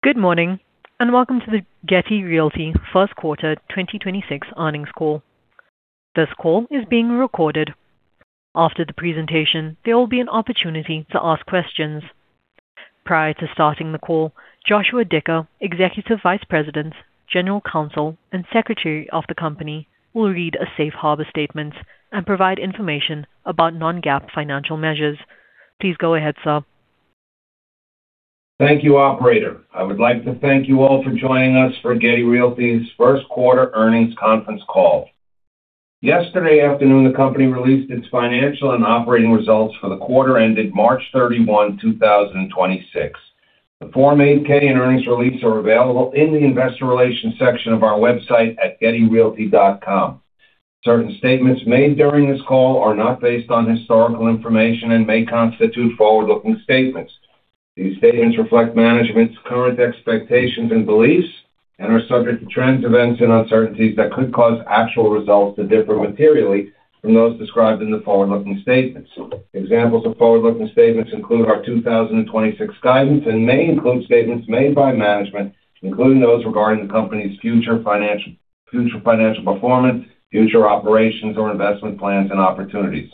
Good morning, and welcome to the Getty Realty first quarter 2026 earnings call. This call is being recorded. After the presentation, there will be an opportunity to ask questions. Prior to starting the call, Joshua Dicker, Executive Vice President, General Counsel, and Secretary of the company, will read a safe harbor statement and provide information about non-GAAP financial measures. Please go ahead, sir. Thank you, operator. I would like to thank you all for joining us for Getty Realty's first quarter earnings conference call. Yesterday afternoon, the company released its financial and operating results for the quarter ended March 31, 2026. The Form 8-K and earnings release are available in the investor relations section of our website at gettyrealty.com. Certain statements made during this call are not based on historical information and may constitute forward-looking statements. These statements reflect management's current expectations and beliefs and are subject to trends, events, and uncertainties that could cause actual results to differ materially from those described in the forward-looking statements. Examples of forward-looking statements include our 2026 guidance and may include statements made by management, including those regarding the company's future financial performance, future operations or investment plans, and opportunities.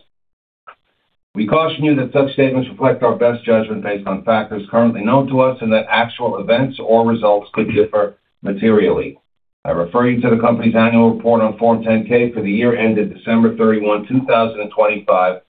We caution you that such statements reflect our best judgment based on factors currently known to us, and that actual events or results could differ materially. I refer you to the company's annual report on Form 10-K for the year ended December 31, 2025,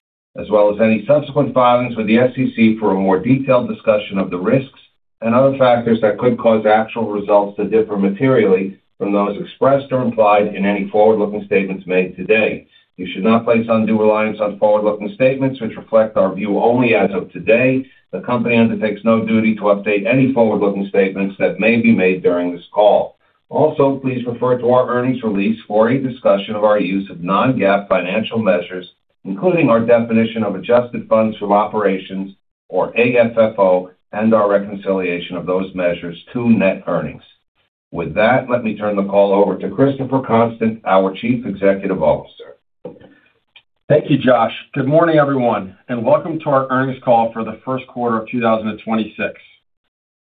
as well as any subsequent filings with the SEC for a more detailed discussion of the risks and other factors that could cause actual results to differ materially from those expressed or implied in any forward-looking statements made today. You should not place undue reliance on forward-looking statements, which reflect our view only as of today. The company undertakes no duty to update any forward-looking statements that may be made during this call. Also, please refer to our earnings release for a discussion of our use of non-GAAP financial measures, including our definition of adjusted funds from operations, or AFFO, and our reconciliation of those measures to net earnings. With that, let me turn the call over to Christopher Constant, our Chief Executive Officer. Thank you, Josh. Good morning, everyone, and welcome to our earnings call for the first quarter of 2026.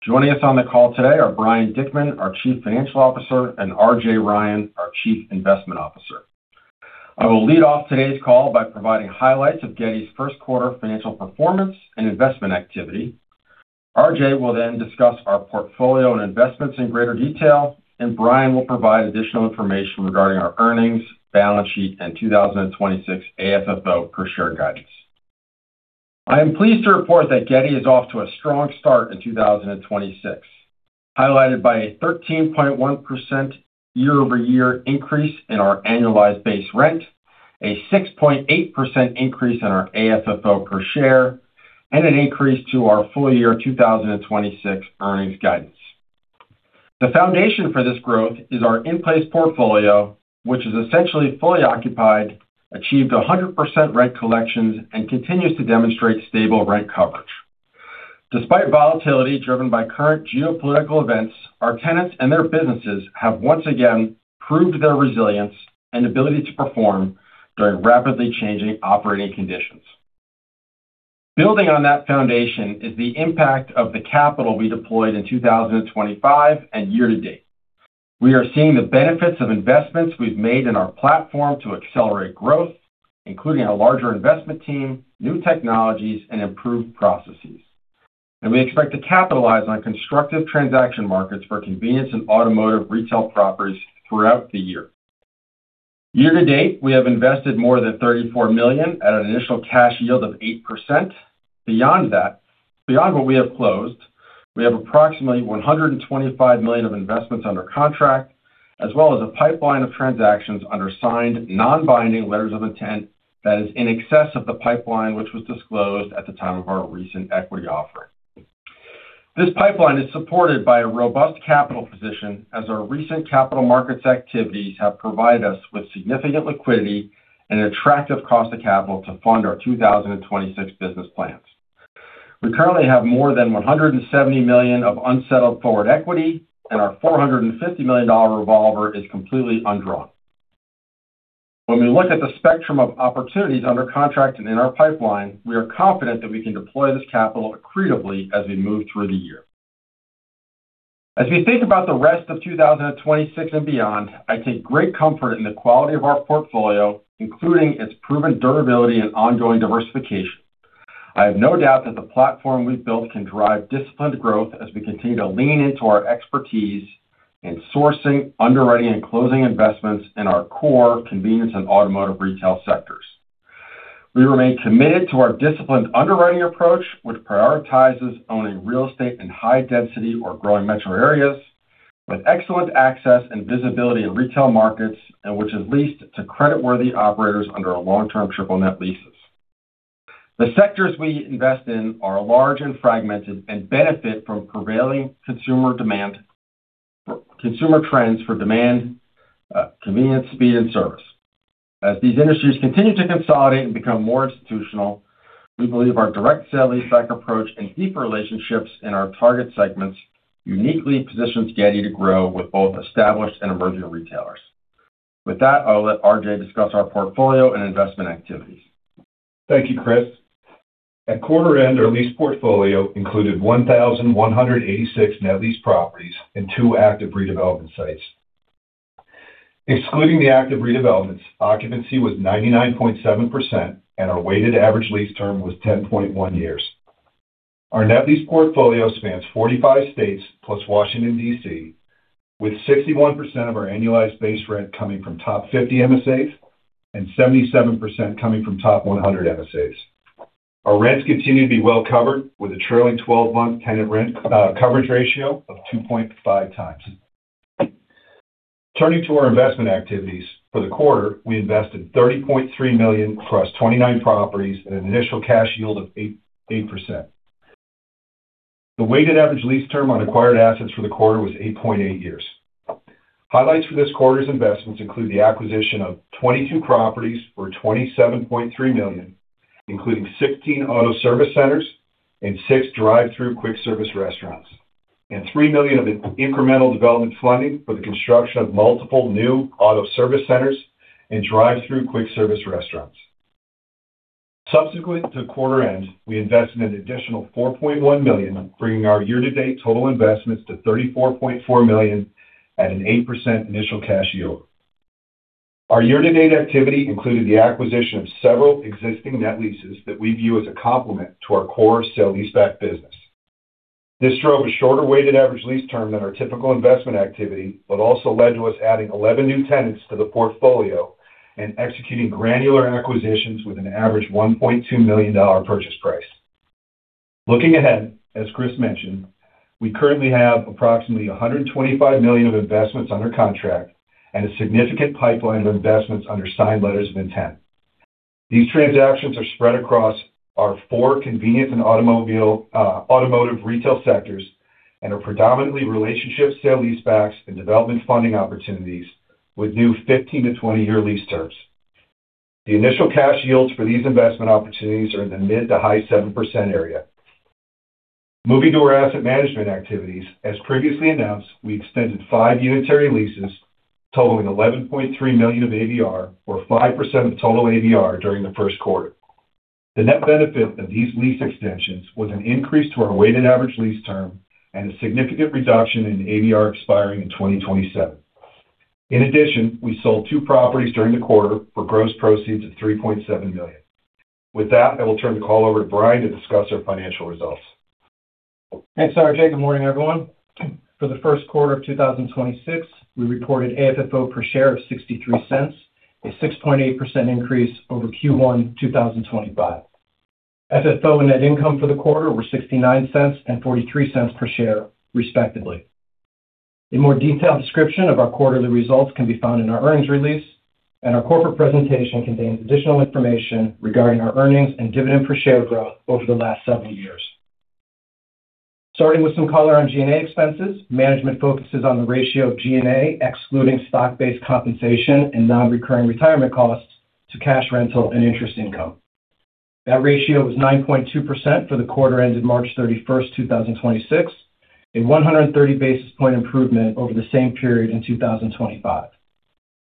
Joining us on the call today are Brian Dickman, our Chief Financial Officer, and RJ Ryan, our Chief Investment Officer. I will lead off today's call by providing highlights of Getty's first quarter financial performance and investment activity. RJ will then discuss our portfolio and investments in greater detail, and Brian will provide additional information regarding our earnings, balance sheet, and 2026 AFFO per share guidance. I am pleased to report that Getty is off to a strong start in 2026, highlighted by a 13.1% year-over-year increase in our annualized base rent, a 6.8% increase in our AFFO per share, and an increase to our full year 2026 earnings guidance. The foundation for this growth is our in-place portfolio, which is essentially fully occupied, achieved 100% rent collections, and continues to demonstrate stable rent coverage. Despite volatility driven by current geopolitical events, our tenants and their businesses have once again proved their resilience and ability to perform during rapidly changing operating conditions. Building on that foundation is the impact of the capital we deployed in 2025 and year to date. We are seeing the benefits of investments we've made in our platform to accelerate growth, including a larger investment team, new technologies, and improved processes. We expect to capitalize on constructive transaction markets for convenience and automotive retail properties throughout the year. Year to date, we have invested more than $34 million at an initial cash yield of 8%. Beyond that, beyond what we have closed, we have approximately $125 million of investments under contract, as well as a pipeline of transactions under signed non-binding letters of intent that is in excess of the pipeline, which was disclosed at the time of our recent equity offer. This pipeline is supported by a robust capital position as our recent capital markets activities have provided us with significant liquidity and attractive cost of capital to fund our 2026 business plans. We currently have more than $170 million of unsettled forward equity, and our $450 million revolver is completely undrawn. When we look at the spectrum of opportunities under contract and in our pipeline, we are confident that we can deploy this capital accretively as we move through the year. As we think about the rest of 2026 and beyond, I take great comfort in the quality of our portfolio, including its proven durability and ongoing diversification. I have no doubt that the platform we've built can drive disciplined growth as we continue to lean into our expertise in sourcing, underwriting, and closing investments in our core convenience and automotive retail sectors. We remain committed to our disciplined underwriting approach, which prioritizes owning real estate in high density or growing metro areas with excellent access and visibility in retail markets and which is leased to creditworthy operators under our long-term triple net leases. The sectors we invest in are large and fragmented and benefit from prevailing consumer trends for demand, convenience, speed, and service. As these industries continue to consolidate and become more institutional, we believe our direct sale-leaseback approach and deep relationships in our target segments uniquely positions Getty to grow with both established and emerging retailers. With that, I'll let RJ discuss our portfolio and investment activities. Thank you, Chris. At quarter end, our lease portfolio included 1,186 net lease properties and two active redevelopment sites. Excluding the active redevelopments, occupancy was 99.7%, and our weighted average lease term was 10.1 years. Our net lease portfolio spans 45 states plus Washington, D.C., with 61% of our annualized base rent coming from top 50 MSAs and 77% coming from top 100 MSAs. Our rents continue to be well covered with a trailing 12-month tenant rent coverage ratio of 2.5x. Turning to our investment activities. For the quarter, we invested $30.3 million across 29 properties at an initial cash yield of 8%. The weighted average lease term on acquired assets for the quarter was 8.8 years. Highlights for this quarter's investments include the acquisition of 22 properties for $27.3 million, including 16 auto service centers and six drive-thru quick service restaurants, and $3 million of incremental development funding for the construction of multiple new auto service centers and drive-thru quick service restaurants. Subsequent to quarter end, we invested an additional $4.1 million, bringing our year-to-date total investments to $34.4 million at an 8% initial cash yield. Our year-to-date activity included the acquisition of several existing net leases that we view as a complement to our core sale-leaseback business. This drove a shorter weighted average lease term than our typical investment activity, but also led to us adding 11 new tenants to the portfolio and executing granular acquisitions with an average $1.2 million purchase price. Looking ahead, as Chris mentioned, we currently have approximately $125 million of investments under contract and a significant pipeline of investments under signed letters of intent. These transactions are spread across our four convenience and automotive retail sectors and are predominantly relationship sale-leasebacks and development funding opportunities with new 15-20-year lease terms. The initial cash yields for these investment opportunities are in the mid- to high-7% area. Moving to our asset management activities. As previously announced, we extended five unitary leases totaling $11.3 million of ABR, or 5% of total ABR, during the first quarter. The net benefit of these lease extensions was an increase to our weighted average lease term and a significant reduction in ABR expiring in 2027. In addition, we sold two properties during the quarter for gross proceeds of $3.7 million. With that, I will turn the call over to Brian to discuss our financial results. Thanks, RJ. Good morning, everyone. For the first quarter of 2026, we reported AFFO per share of $0.63, a 6.8% increase over Q1 2025. FFO and net income for the quarter were $0.69 and $0.43 per share, respectively. A more detailed description of our quarterly results can be found in our earnings release, and our corporate presentation contains additional information regarding our earnings and dividend per share growth over the last several years. Starting with some color on G&A expenses. Management focuses on the ratio of G&A, excluding stock-based compensation and non-recurring retirement costs, to cash rental and interest income. That ratio was 9.2% for the quarter ended March 31st, 2026, a 130 basis point improvement over the same period in 2025.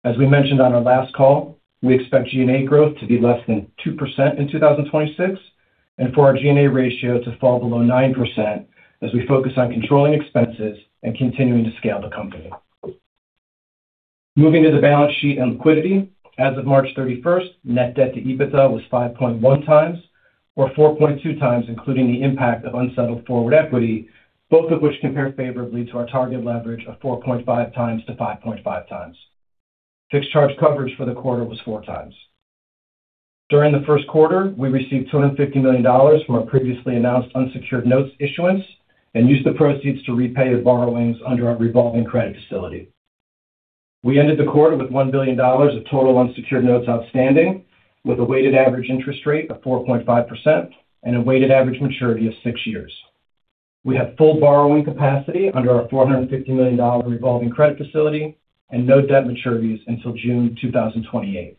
As we mentioned on our last call, we expect G&A growth to be less than 2% in 2026 and for our G&A ratio to fall below 9% as we focus on controlling expenses and continuing to scale the company. Moving to the balance sheet and liquidity. As of March 31st, net debt to EBITDA was 5.1x or 4.2x, including the impact of unsettled forward equity, both of which compare favorably to our target leverage of 4.5x-5.5x. Fixed charge coverage for the quarter was 4x. During the first quarter, we received $250 million from our previously announced unsecured notes issuance and used the proceeds to repay the borrowings under our revolving credit facility. We ended the quarter with $1 billion of total unsecured notes outstanding, with a weighted average interest rate of 4.5% and a weighted average maturity of six years. We have full borrowing capacity under our $450 million revolving credit facility and no debt maturities until June 2028.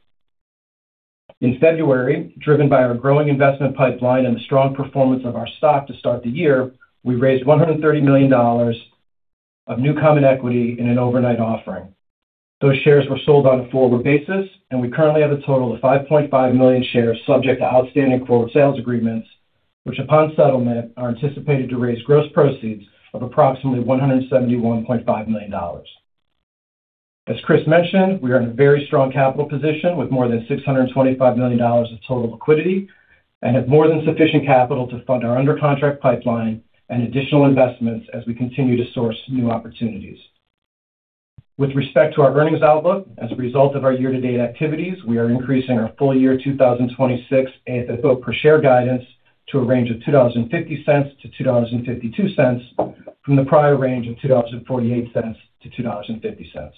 In February, driven by our growing investment pipeline and the strong performance of our stock to start the year, we raised $130 million of new common equity in an overnight offering. Those shares were sold on a forward basis, and we currently have a total of 5.5 million shares subject to outstanding forward sales agreements, which, upon settlement, are anticipated to raise gross proceeds of approximately $171.5 million. As Chris mentioned, we are in a very strong capital position with more than $625 million of total liquidity and have more than sufficient capital to fund our under contract pipeline and additional investments as we continue to source new opportunities. With respect to our earnings outlook, as a result of our year-to-date activities, we are increasing our full year 2026 AFFO per share guidance to a range of $2.50-$2.52 from the prior range of $2.48-$2.50.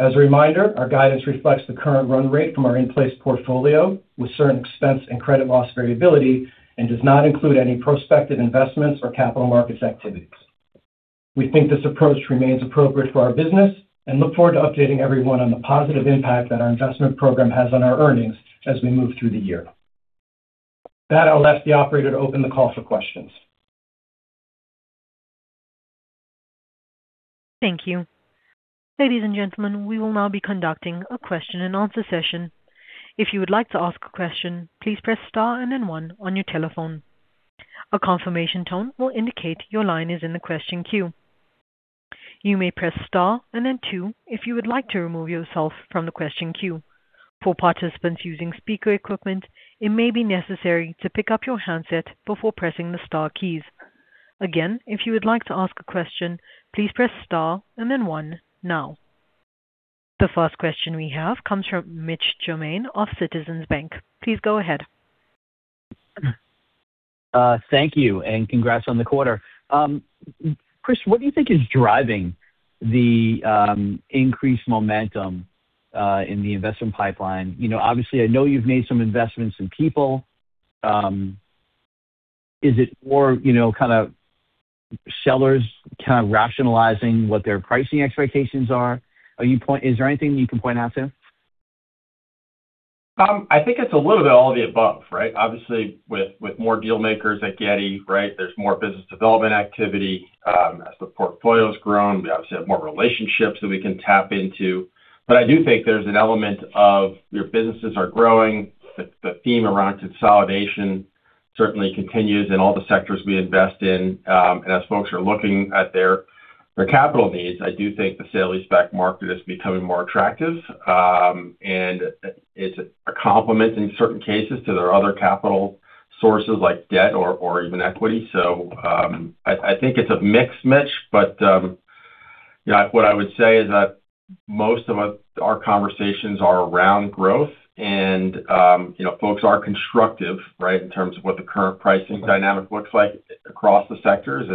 As a reminder, our guidance reflects the current run rate from our in-place portfolio with certain expense and credit loss variability and does not include any prospective investments or capital markets activities. We think this approach remains appropriate for our business and look forward to updating everyone on the positive impact that our investment program has on our earnings as we move through the year. With that, I'll ask the operator to open the call for questions. Thank you. Ladies and gentlemen, we will now be conducting a question and answer session. If you would like to ask a question, please press star and then one on your telephone. A confirmation tone will indicate your line is in the question queue. You may press star and then two if you would like to remove yourself from the question queue. For participants using speaker equipment, it may be necessary to pick up your handset before pressing the star keys. Again, if you would like to ask a question, please press star and then one now. The first question we have comes from Mitch Germain of Citizens JMP. Please go ahead. Thank you, and congrats on the quarter. Chris, what do you think is driving the increased momentum in the investment pipeline? Obviously, I know you've made some investments in people. Is it more sellers rationalizing what their pricing expectations are? Is there anything you can point out to? I think it's a little bit of all the above, right? Obviously, with more deal makers at Getty, right, there's more business development activity. As the portfolio's grown, we obviously have more relationships that we can tap into. I do think there's an element of your businesses are growing. The theme around consolidation certainly continues in all the sectors we invest in. As folks are looking at their capital needs, I do think the sale-leaseback market is becoming more attractive. It's a complement in certain cases to their other capital sources like debt or even equity. I think it's a mix, Mitch, but what I would say is that most of our conversations are around growth and folks are constructive, right, in terms of what the current pricing dynamic looks like across the sectors.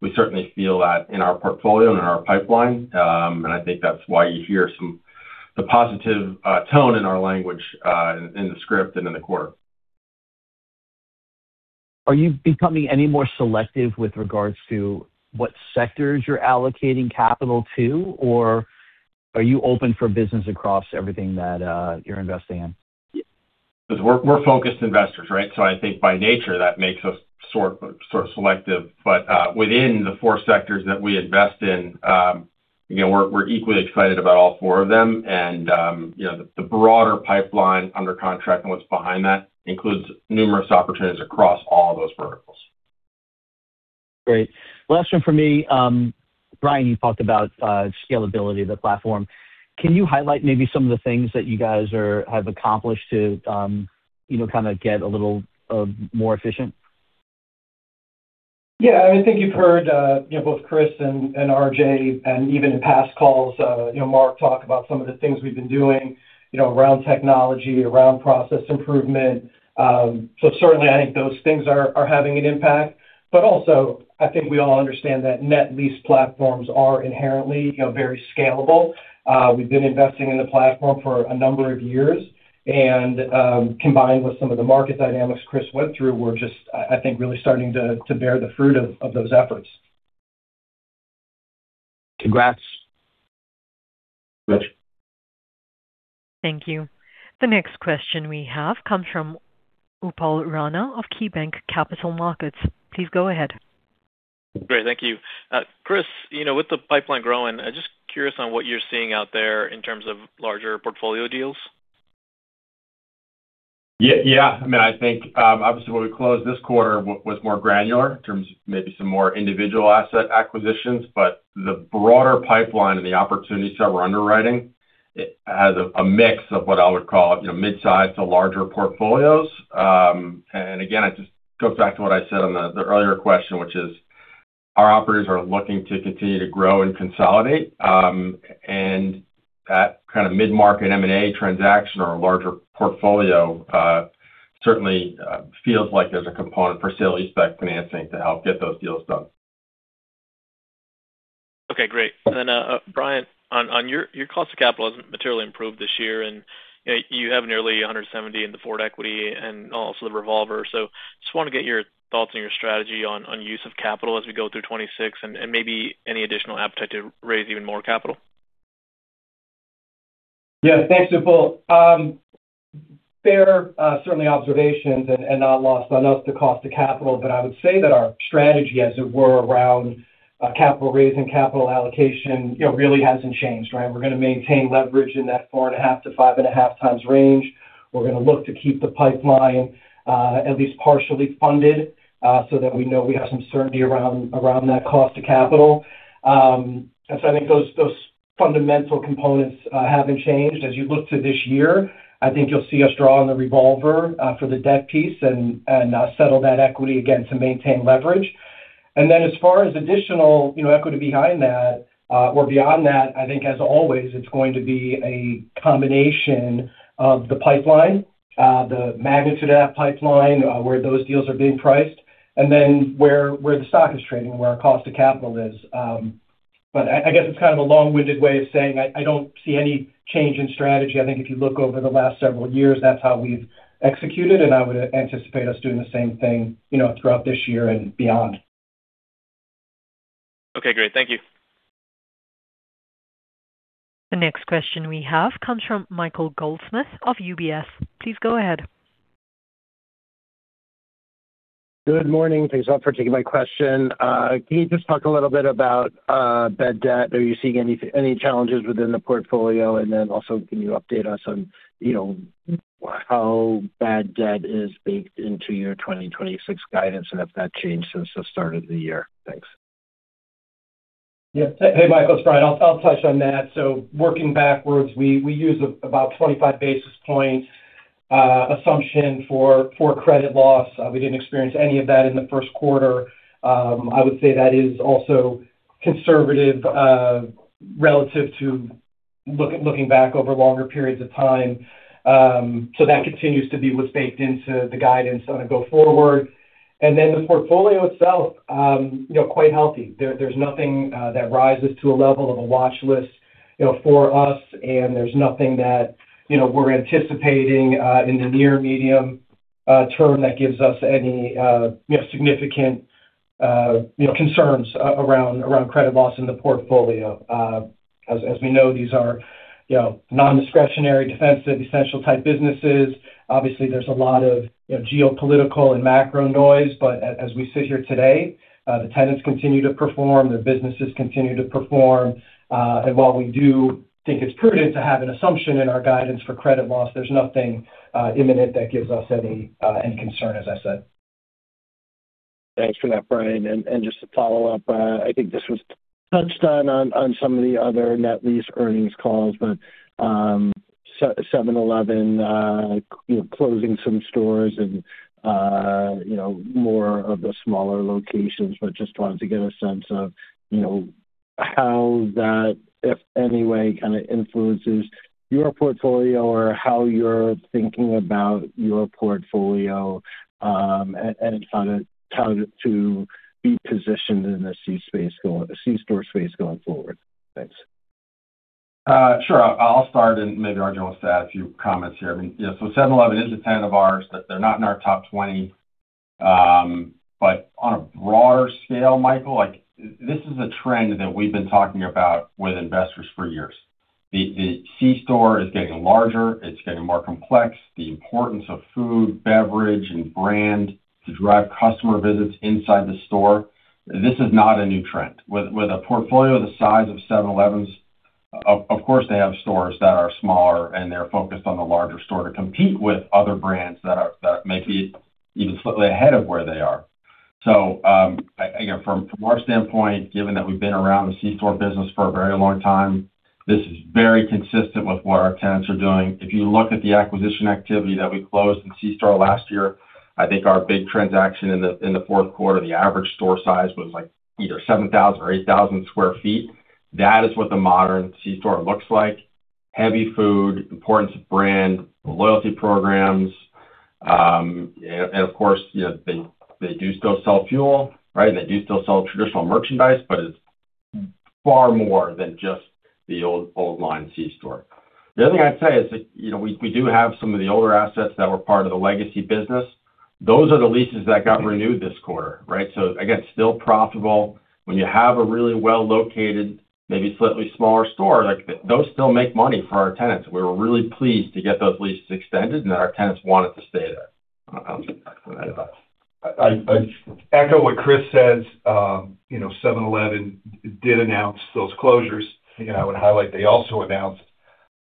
We certainly feel that in our portfolio and in our pipeline. I think that's why you hear the positive tone in our language, in the script and in the quarter. Are you becoming any more selective with regards to what sectors you're allocating capital to? Or are you open for business across everything that you're investing in? Because we're focused investors, right? I think by nature, that makes us sort of selective. Within the four sectors that we invest in, again, we're equally excited about all four of them. The broader pipeline under contract and what's behind that includes numerous opportunities across all of those verticals. Great. Last one for me. Brian, you talked about scalability of the platform. Can you highlight maybe some of the things that you guys have accomplished to get a little more efficient? Yeah. I think you've heard both Chris and RJ and even in past calls, Mark talk about some of the things we've been doing around technology, around process improvement. Certainly, I think those things are having an impact. Also, I think we all understand that net lease platforms are inherently very scalable. We've been investing in the platform for a number of years, and combined with some of the market dynamics Chris went through, we're just, I think, really starting to bear the fruit of those efforts. Congrats. Thanks, Mitch. Thank you. The next question we have comes from Upal Rana of KeyBanc Capital Markets. Please go ahead. Great. Thank you. Chris, with the pipeline growing, I'm just curious on what you're seeing out there in terms of larger portfolio deals. Yeah. I think, obviously when we closed this quarter was more granular in terms of maybe some more individual asset acquisitions, but the broader pipeline and the opportunities that we're underwriting has a mix of what I would call mid-size to larger portfolios. Again, it just goes back to what I said on the earlier question, which is our operators are looking to continue to grow and consolidate. That kind of mid-market M&A transaction or a larger portfolio, certainly feels like there's a component for sale-leaseback financing to help get those deals done. Okay, great. Brian, on your cost of capital has materially improved this year, and you have nearly $170 in the forward equity and also the revolver. Just want to get your thoughts and your strategy on use of capital as we go through 2026 and maybe any additional appetite to raise even more capital? Yeah. Thanks, Upal. Fair certainly observations and not lost on us, the cost of capital. I would say that our strategy, as it were, around capital raising, capital allocation, really hasn't changed, right? We're going to maintain leverage in that 4.5x-5.5x range. We're going to look to keep the pipeline, at least partially funded, so that we know we have some certainty around that cost of capital. I think those fundamental components haven't changed. As you look to this year, I think you'll see us draw on the revolver after debt piece and settle that equity again to maintain leverage. As far as additional equity behind that or beyond that, I think as always, it's going to be a combination of the pipeline, the magnitude of that pipeline, where those deals are being priced, and then where the stock is trading, where our cost of capital is. I guess it's kind of a long-winded way of saying I don't see any change in strategy. I think if you look over the last several years, that's how we've executed, and I would anticipate us doing the same thing throughout this year and beyond. Okay, great. Thank you. The next question we have comes from Michael Goldsmith of UBS. Please go ahead. Good morning. Thanks a lot for taking my question. Can you just talk a little bit about bad debt? Are you seeing any challenges within the portfolio? Then also can you update us on how bad debt is baked into your 2026 guidance and if that changed since the start of the year? Thanks. Yeah. Hey, Michael, it's Brian. I'll touch on that. Working backwards, we use about 25 basis points assumption for credit loss. We didn't experience any of that in the first quarter. I would say that is also conservative relative to looking back over longer periods of time. That continues to be what's baked into the guidance on a go forward. The portfolio itself quite healthy. There's nothing that rises to a level of a watch list for us, and there's nothing that we're anticipating in the near medium term that gives us any significant concerns around credit loss in the portfolio. As we know, these are non-discretionary defensive essential type businesses. Obviously, there's a lot of geopolitical and macro noise, but as we sit here today, the tenants continue to perform, their businesses continue to perform. While we do think it's prudent to have an assumption in our guidance for credit loss, there's nothing imminent that gives us any concern as I said. Thanks for that, Brian. Just to follow up, I think this was touched on some of the other net lease earnings calls, but 7-Eleven closing some stores and more of the smaller locations, but just wanted to get a sense of how that, if any way, kind of influences your portfolio or how you're thinking about your portfolio, and how to be positioned in the C-store space going forward. Thanks. Sure. I'll start and maybe RJ will just add a few comments here. 7-Eleven is a tenant of ours, but they're not in our top 20. On a broader scale, Michael, this is a trend that we've been talking about with investors for years. The C-store is getting larger. It's getting more complex. The importance of food, beverage, and brand to drive customer visits inside the store, this is not a new trend. With a portfolio the size of 7-Eleven's, of course, they have stores that are smaller, and they're focused on the larger store to compete with other brands that may be even slightly ahead of where they are. From our standpoint, given that we've been around the C-store business for a very long time, this is very consistent with what our tenants are doing. If you look at the acquisition activity that we closed in C-store last year, I think our big transaction in the fourth quarter, the average store size was either 7,000 or 8,000 sq ft. That is what the modern C-store looks like. Heavy food, importance of brand, loyalty programs. Of course, they do still sell fuel, right? They do still sell traditional merchandise, but it's far more than just the old line C-store. The other thing I'd say is we do have some of the older assets that were part of the legacy business. Those are the leases that got renewed this quarter, right? Again, still profitable. When you have a really well located, maybe slightly smaller store, those still make money for our tenants. We're really pleased to get those leases extended and that our tenants want us to stay there. I echo what Chris says. 7-Eleven did announce those closures. Again, I would highlight they also announced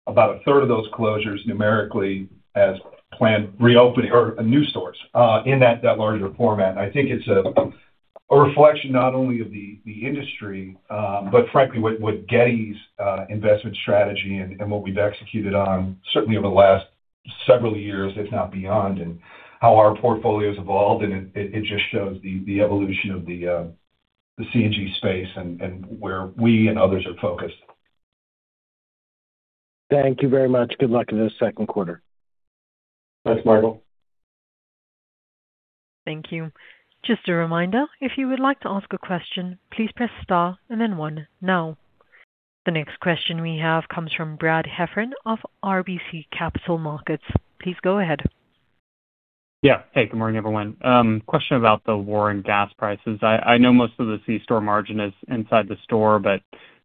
about a third of those closures numerically as planned reopening or new stores in that larger format. I think it's a reflection not only of the industry, but frankly with Getty's investment strategy and what we've executed on certainly over the last several years, if not beyond, and how our portfolio's evolved, and it just shows the evolution of the C&G space and where we and others are focused. Thank you very much. Good luck in the second quarter. Thanks, Michael. Thank you. Just a reminder, if you would like to ask a question, please press star and then one now. The next question we have comes from Brad Heffern of RBC Capital Markets. Please go ahead. Yeah. Hey, good morning, everyone. Question about the war and gas prices. I know most of the C-store margin is inside the store, but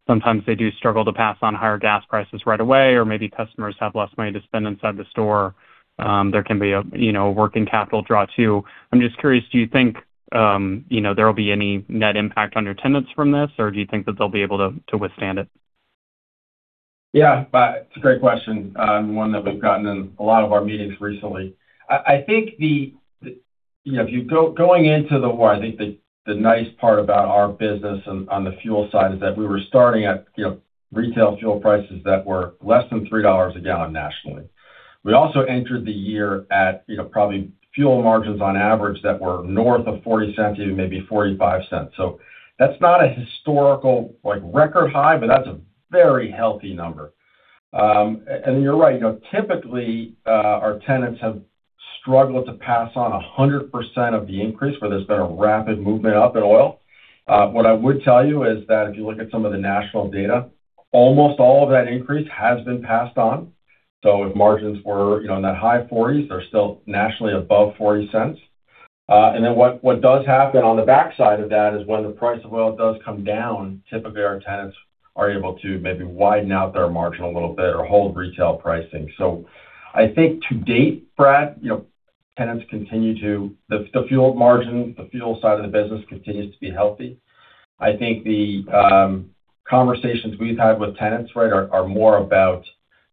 sometimes they do struggle to pass on higher gas prices right away, or maybe customers have less money to spend inside the store. There can be a working capital draw too. I'm just curious, do you think there will be any net impact on your tenants from this, or do you think that they'll be able to withstand it? Yeah, it's a great question and one that we've gotten in a lot of our meetings recently. I think going into the war, I think the nice part about our business on the fuel side is that we were starting at retail fuel prices that were less than $3 a gallon nationally. We also entered the year at probably fuel margins on average that were north of $0.40, even maybe $0.45. That's not a historical record high, but that's a very healthy number. You're right. Typically, our tenants have struggled to pass on 100% of the increase where there's been a rapid movement up in oil. What I would tell you is that if you look at some of the national data, almost all of that increase has been passed on. If margins were in that high 40s, they're still nationally above $0.40. What does happen on the backside of that is when the price of oil does come down, typically our tenants are able to maybe widen out their margin a little bit or hold retail pricing. I think to date, Brad, the fuel margin, the fuel side of the business continues to be healthy. I think the conversations we've had with tenants are more about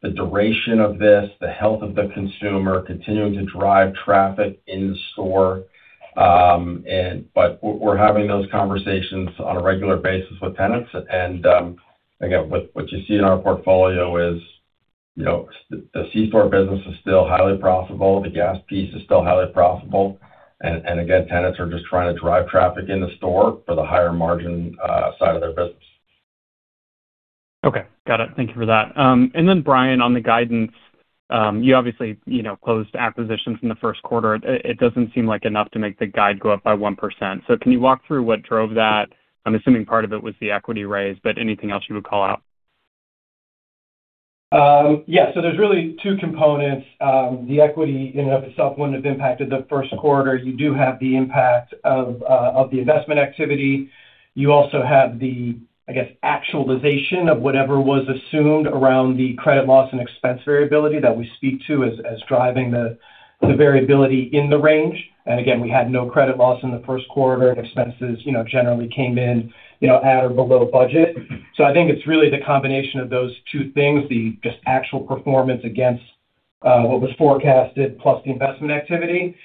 the duration of this, the health of the consumer continuing to drive traffic in-store. We're having those conversations on a regular basis with tenants, and again, what you see in our portfolio is, the C-store business is still highly profitable. The gas piece is still highly profitable, and again, tenants are just trying to drive traffic in the store for the higher margin side of their business. Okay, got it. Thank you for that. Brian, on the guidance, you obviously closed acquisitions in the first quarter. It doesn't seem like enough to make the guide go up by 1%. Can you walk through what drove that? I'm assuming part of it was the equity raise, but anything else you would call out? Yes. There's really two components. The equity in and of itself wouldn't have impacted the first quarter. You do have the impact of the investment activity. You also have the, I guess, actualization of whatever was assumed around the credit loss and expense variability that we speak to as driving the variability in the range. Again, we had no credit loss in the first quarter. Expenses generally came in at or below budget. I think it's really the combination of those two things, the just actual performance against what was forecasted plus the investment activity.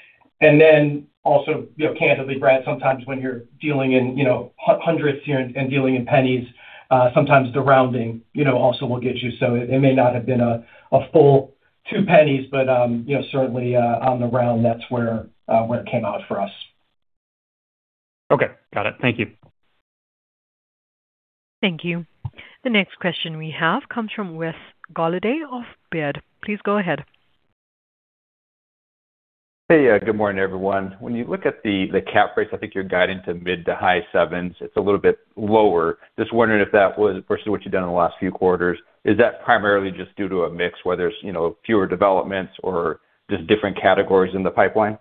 Then also, candidly, Brad, sometimes when you're dealing in hundreds here and dealing in pennies, sometimes the rounding also will get you. It may not have been a full two pennies, but certainly on the round, that's where it came out for us. Okay, got it. Thank you. Thank you. The next question we have comes from Wesley Golladay of Baird. Please go ahead. Hey, good morning, everyone. When you look at the cap rates, I think you're guiding to mid- to high-7s. It's a little bit lower. Just wondering if that was versus what you've done in the last few quarters. Is that primarily just due to a mix, whether it's fewer developments or just different categories in the pipeline?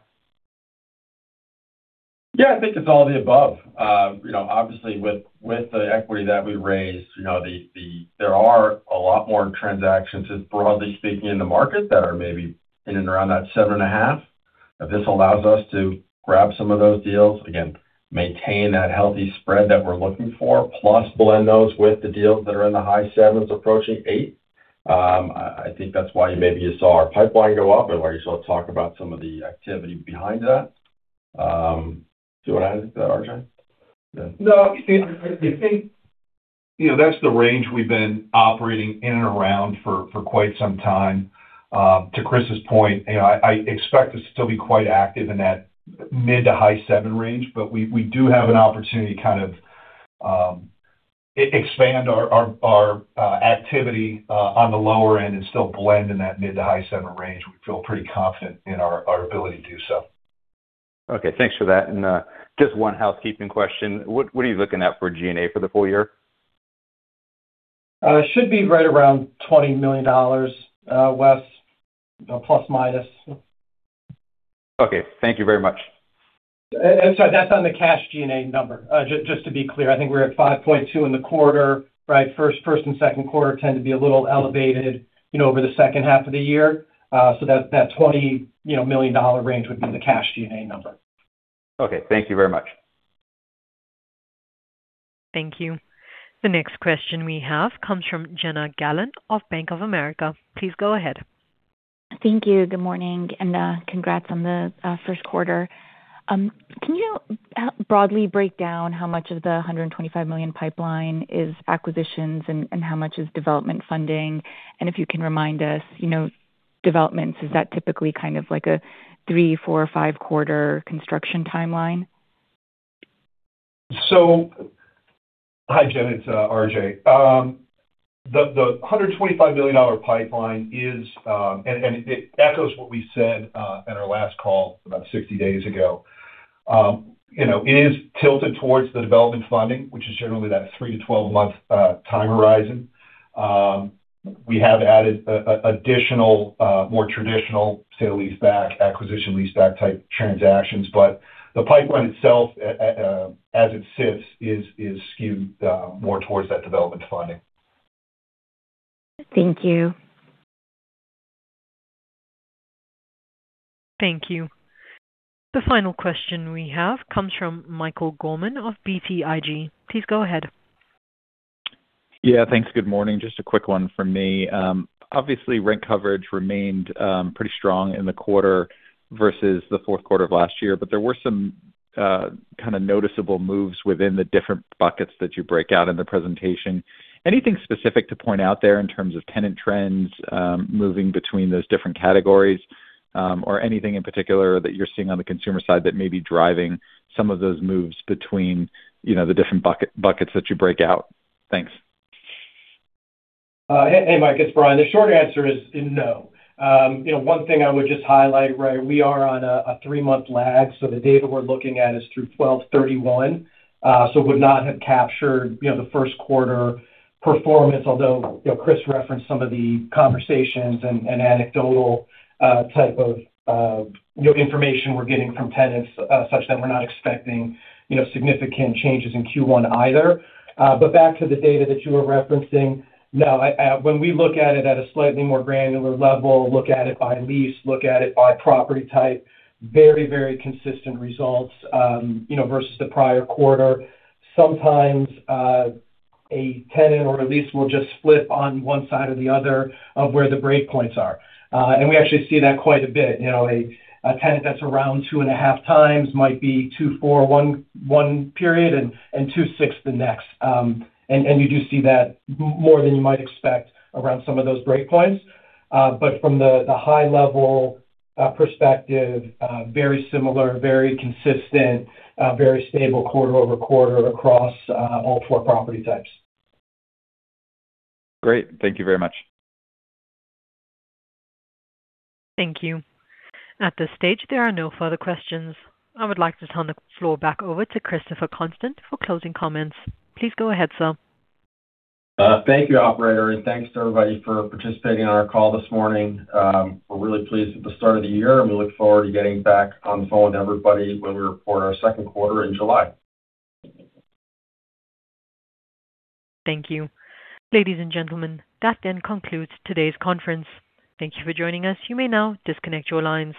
Yeah, I think it's all the above. Obviously, with the equity that we raised, there are a lot more transactions just broadly speaking in the market that are maybe in and around that seven and a half. This allows us to grab some of those deals, again, maintain that healthy spread that we're looking for, plus blend those with the deals that are in the high sevens approaching eight. I think that's why maybe you saw our pipeline go up and why you saw us talk about some of the activity behind that. Do you want to add to that, RJ? No. I think that's the range we've been operating in and around for quite some time. To Chris's point, I expect to still be quite active in that mid to high seven range. We do have an opportunity to kind of expand our activity on the lower end and still blend in that mid to high seven range. We feel pretty confident in our ability to do so. Okay, thanks for that. Just one housekeeping question. What are you looking at for G&A for the full year? Should be right around $20 million, Wes, plus, minus. Okay. Thank you very much. Sorry, that's on the cash G&A number. Just to be clear, I think we're at 5.2 in the quarter. First and second quarter tend to be a little elevated over the second half of the year. That $20 million range would be the cash G&A number. Okay. Thank you very much. Thank you. The next question we have comes from Jana Galan of Bank of America. Please go ahead. Thank you. Good morning, and congrats on the first quarter. Can you broadly break down how much of the $125 million pipeline is acquisitions and how much is development funding? If you can remind us, developments, is that typically kind of like a three, four or four quarter construction timeline? Hi, Jana, it's RJ. The $125 million pipeline is, and it echoes what we said in our call about 60 days ago. It is tilted towards the development funding, which is generally that three to 12-month time horizon. We have added additional, more traditional sale-leaseback, acquisition-leaseback type transactions. The pipeline itself, as it sits, is skewed more towards that development funding. Thank you. Thank you. The final question we have comes from Michael Gorman of BTIG. Please go ahead. Yeah, thanks. Good morning. Just a quick one from me. Obviously, rent coverage remained pretty strong in the quarter versus the fourth quarter of last year, but there were some kind of noticeable moves within the different buckets that you break out in the presentation. Anything specific to point out there in terms of tenant trends, moving between those different categories? Or anything in particular that you're seeing on the consumer side that may be driving some of those moves between the different buckets that you break out? Thanks. Hey, Mike, it's Brian. The short answer is no. One thing I would just highlight, we are on a three-month lag. So the data we're looking at is through 12/31, so it would not have captured the first quarter performance. Although Chris referenced some of the conversations and anecdotal type of information we're getting from tenants, such that we're not expecting significant changes in Q1 either. Back to the data that you were referencing. No, when we look at it at a slightly more granular level, look at it by lease, look at it by property type, very consistent results versus the prior quarter. Sometimes, a tenant or a lease will just flip on one side or the other of where the break points are. We actually see that quite a bit. A tenant that's around 2.5x might be 2.41 and 2.6 the next. You do see that more than you might expect around some of those break points. From the high-level perspective, very similar, very consistent, very stable quarter-over-quarter across all four property types. Great. Thank you very much. Thank you. At this stage, there are no further questions. I would like to turn the floor back over to Christopher Constant for closing comments. Please go ahead, sir. Thank you, operator, and thanks to everybody for participating on our call this morning. We're really pleased with the start of the year, and we look forward to getting back on the phone with everybody when we report our second quarter in July. Thank you. Ladies and gentlemen, that then concludes today's conference. Thank you for joining us. You may now disconnect your lines.